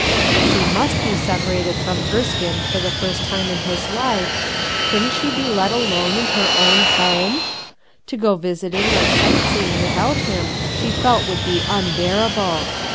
If she must be separated from Erskine for the first tune in his life, couldn't she be let alone in her own home? To go visiting or sight seeing without him she felt would be unbearable.